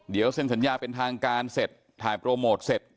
เดี๋ยวเซ็นสัญญาเป็นทางการเสร็จถ่ายโปรโมทเสร็จ